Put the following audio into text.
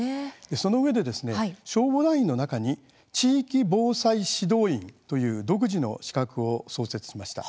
そのうえで消防団員の中に地域防災指導員という独自の資格を創設しました。